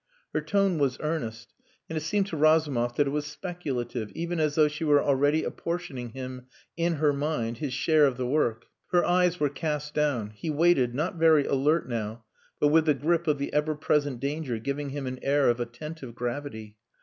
Her tone was earnest; and it seemed to Razumov that it was speculative, even as though she were already apportioning him, in her mind, his share of the work. Her eyes were cast down. He waited, not very alert now, but with the grip of the ever present danger giving him an air of attentive gravity.